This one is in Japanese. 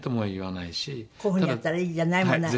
「こういうふうにやったらいいじゃない？」もない？